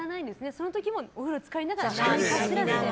その時もお風呂につかりながら何かしらやって。